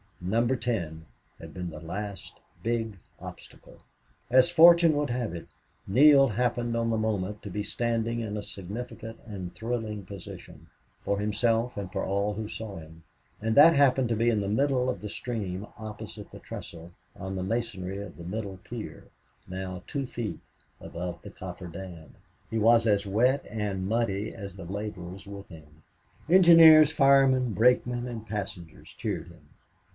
Number Ten had been the last big obstacle. As fortune would have it, Neale happened on the moment to be standing in a significant and thrilling position, for himself and for all who saw him. And that happened to be in the middle of the stream opposite the trestle on the masonry of the middle pier, now two feet above the coffer dam. He was as wet and muddy as the laborers with him. Engineer, fireman, brakemen, and passengers cheered him.